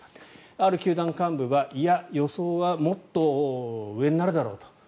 ある球団幹部はいや、予想はもっと上になるだろうと。